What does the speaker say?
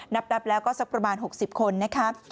นับแล้วก็สักประมาณ๖๐คนนะครับ